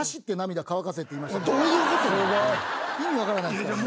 意味分からないですから。